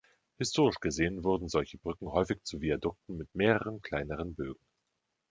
Historisch gesehen wurden solche Brücken häufig zu Viadukten mit mehreren kleineren Bögen.